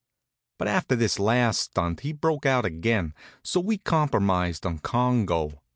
But after this last stunt he broke out again; so we compromised on Congo.